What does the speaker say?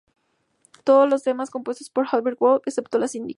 Todos los temas compuestos por Alberto Wolf, excepto las indicadas.